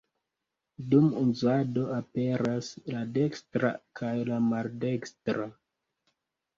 Dum uzado aperas la dekstra kaj la maldekstra.